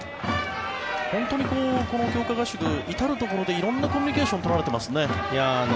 本当にこの強化合宿至るところで色んなコミュニケーションを取られてますね。